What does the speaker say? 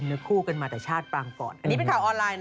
โอลี่คัมรี่ยากที่ใครจะตามทันโอลี่คัมรี่ยากที่ใครจะตามทัน